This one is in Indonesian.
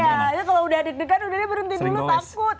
iya itu kalau udah deg degan udah deh berhenti dulu takut